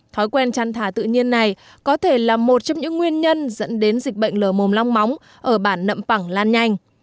thói quen chăn thả tự nhiên này có thể là một trong những nguyên nhân dẫn đến dịch bệnh lở mồm long móng ở bản nậm pẳng lan nhanh